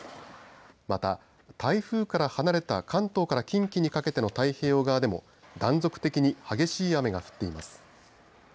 また、台風から離れた関東から近畿にかけての太平洋側でも断続的に激しい雨が降っています。